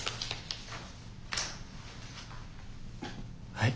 はい。